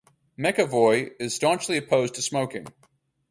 McEvoy is staunchly opposed to smoking.